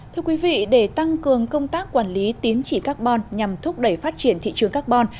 thưa quý vị để tăng cường công tác quản lý tín chỉ carbon nhằm thúc đẩy phát triển thị trường carbon